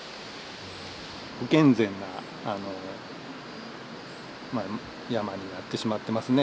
不健全な山になってしまってますね。